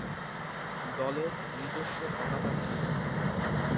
দলের নিজস্ব পতাকা ছিল।